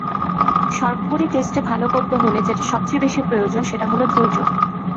সর্বোপরি টেস্টে ভালো করতে হলে যেটা সবচেয়ে বেশি প্রয়োজন, সেটা হলো ধৈর্য।